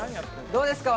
どうですか？